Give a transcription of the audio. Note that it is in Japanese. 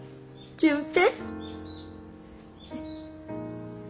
純平！